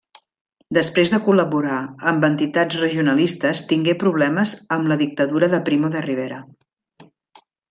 Després de col·laborar amb entitats regionalistes tingué problemes amb la dictadura de Primo de Rivera.